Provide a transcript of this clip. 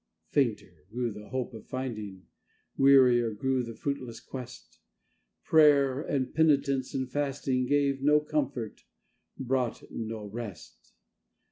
Fainter grew the hope of finding, wearier grew the fruitless quest; Prayer and penitence and fasting gave no comfort, brought no rest.